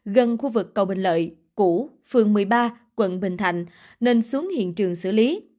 gần khu vực cầu bình lợi cũ phường một mươi ba quận bình thạnh nên xuống hiện trường xử lý